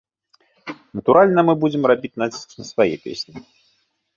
Натуральна, мы будзем рабіць націск на свае песні.